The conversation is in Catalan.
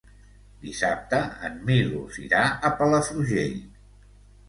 Dissabte en Milos irà a Palafrugell.